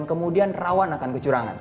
kemudian rawan akan kecurangan